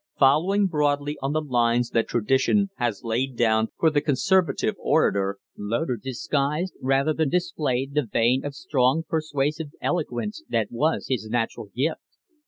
Following broadly on the lines that tradition has laid down for the Conservative orator, Loder disguised rather than displayed the vein of strong, persuasive eloquence that was his natural gift.